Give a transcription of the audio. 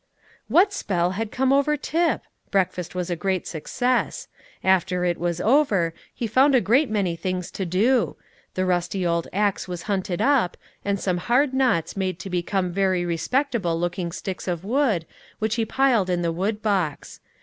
What spell had come over Tip? Breakfast was a great success. After it was over he found a great many things to do; the rusty old axe was hunted up, and some hard knots made to become very respectable looking sticks of wood, which he piled in the wood box.